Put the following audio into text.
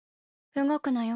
動くなよ。